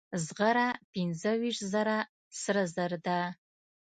زغره پنځه ویشت زره سره زر ده.